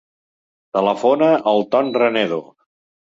Telefona al Ton Renedo.